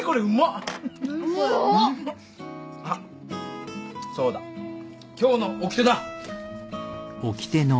あっそうだ今日のおきてだ。